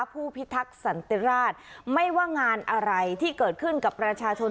ผู้พิทักษ์สันติราชไม่ว่างานอะไรที่เกิดขึ้นกับประชาชน